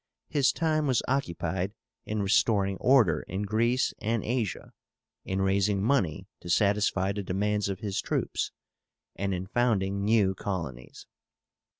His time was occupied in restoring order in Greece and Asia, in raising money to satisfy the demands of his troops, and in founding new colonies.